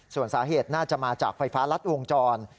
ส่วนสาเหตุน่าจะมาจากไฟฟ้ารัดวงจร